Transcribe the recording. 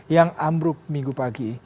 yang ambruk minggu pagi